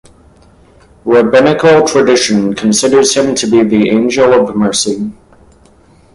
Rabbinical tradition considers him to be the angel of mercy.